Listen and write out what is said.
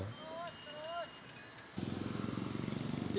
terus terus terus